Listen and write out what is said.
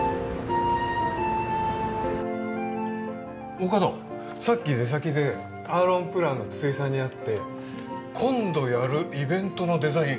大加戸さっき出先でアーロンプランの筒井さんに会って今度やるイベントのデザイン